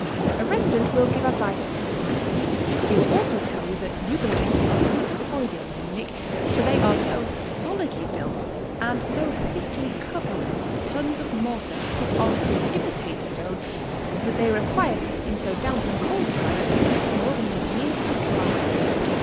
A resident will give advice on these po>ints. He will also tell you that new buildings are to be av''oided in Munich, for they are so solidly built, and so thickly covered with tons of mor tar put on t)o imitate stone, that they require, in so damp and cold a climate, more than a year to dry.